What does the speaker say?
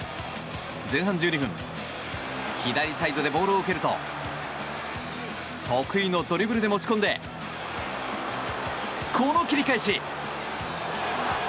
前半１２分左サイドでボールを受けると得意のドリブルで持ち込んでこの切り返し。